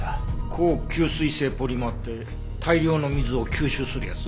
高吸水性ポリマーって大量の水を吸収するやつ？